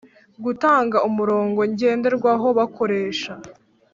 Gutanga umurongo ngenderwaho. bakoresha